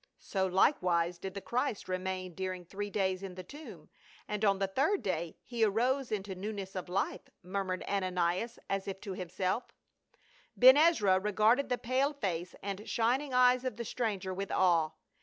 "So likewise did the Christ remain during three days in the tomb, and on the third day he arose into newness of life," murmured Ananias as if to himself Ben Ezra regarded the pale face and shining eyes of the stranger with awe.